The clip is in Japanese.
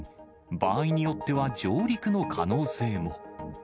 場合によっては、上陸の可能性も。